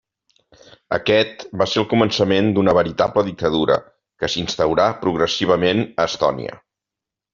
Aquest va ser el començament d'una veritable dictadura que s'instaurà progressivament a Estònia.